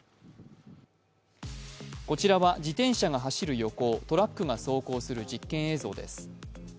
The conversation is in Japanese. こちらは自転車が走る横をトラックが走行する実験映像です。